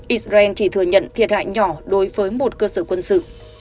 israel chỉ thừa nhận thiệt hại nhỏ đối với một cơ sở quân sự